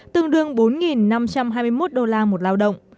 tương đương bốn năm trăm hai mươi một đô la một lao động